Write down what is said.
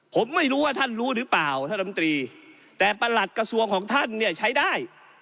ผมไม่รู้ว่าท่านรู้หรือเปล่าท่านลำตรีแต่ประหลัดกระทรวงของท่านเนี่ยใช้ได้